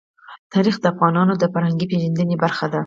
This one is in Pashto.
تاریخ د افغانانو د فرهنګي پیژندنې برخه ده.